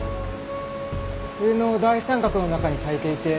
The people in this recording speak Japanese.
冬の大三角の中に咲いていて。